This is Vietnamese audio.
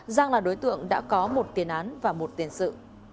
giang là đối tượng đã có một tiền án và một tiền sự